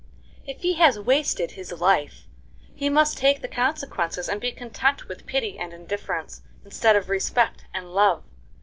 "If he has wasted his life he must take the consequences, and be content with pity and indifference, instead of respect and love.